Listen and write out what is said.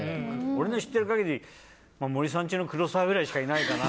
俺の知ってる限り森三中の黒沢ぐらいしかいないかな。